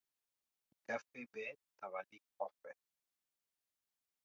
Gafe bɛ tabali kɔfɛ.